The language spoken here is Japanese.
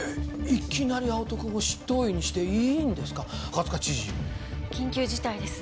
いきなり青戸君を執刀医にしていいんですか赤塚知事緊急事態です